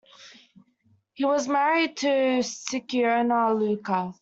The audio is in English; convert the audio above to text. He was married to Sikiona Luka.